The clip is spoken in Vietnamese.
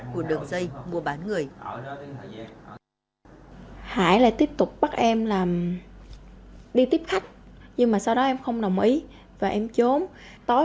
của đường dây mua bán người